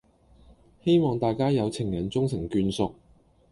希望大家「有情人終成眷屬」